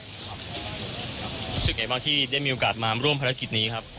รู้สึกไงบ้างที่ได้มีโอกาสมาร่วมภารกิจนี้ครับ